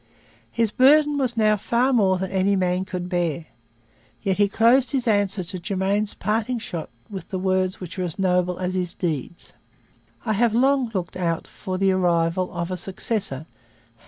His burden was now far more than any man could bear. Yet he closed his answer to Germain's parting shot with words which are as noble as his deeds: 'I have long looked out for the arrival of a successor.